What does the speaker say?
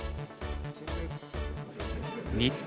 日本